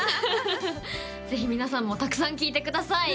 ぜひ皆さんもたくさん聴いてください